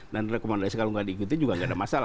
dan rekomendasi kalau tidak diikuti juga tidak ada masalah